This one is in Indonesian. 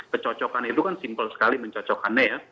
kecocokan itu kan simpel sekali mencocokkannya ya